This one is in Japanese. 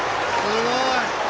すごい！